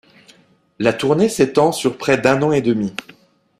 La tournée ' s'étend sur près d'un an et demi.